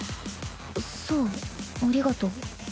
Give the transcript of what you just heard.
そうありがと。